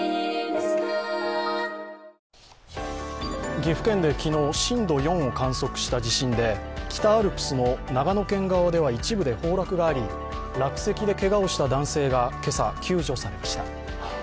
岐阜県で昨日震度４を観測した地震で北アルプスの長野県側では一部で崩落があり落石でけがをした男性が今朝、救助されました。